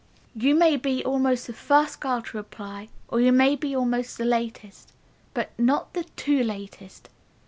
You may be almost the first girl to apply, or you may be among the latest, but not the too latest.